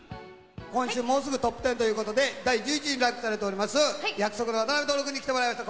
今週、もうすぐトップテンということで、第１１位にランクインされております、約束の渡辺徹君に来てもらいました。